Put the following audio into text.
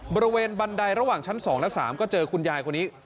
บันไดระหว่างชั้น๒และ๓ก็เจอคุณยายคนนี้